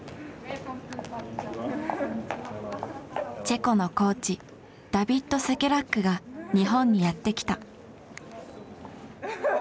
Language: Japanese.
チェコのコーチダヴィッド・セケラックが日本にやって来た。